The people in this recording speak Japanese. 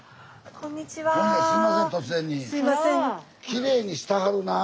きれいにしてはるなあ。